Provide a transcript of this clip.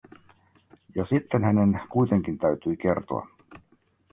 Ja sitten hänen kuitenkin täytyi kertoa.